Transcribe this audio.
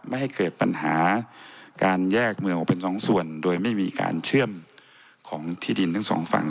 ไม่ให้เกิดปัญหาการแยกเมืองออกเป็นสองส่วนโดยไม่มีการเชื่อมของที่ดินทั้งสองฝั่ง